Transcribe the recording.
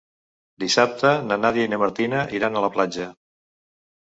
Dissabte na Nàdia i na Martina iran a la platja.